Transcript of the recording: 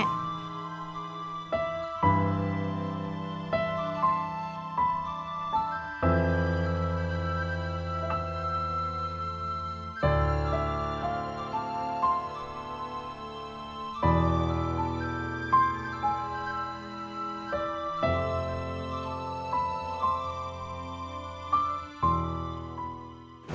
ผิดเอง